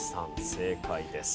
正解です。